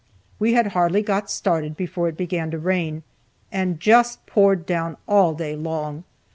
We had hardly got started before it began to rain, and just poured down all day long.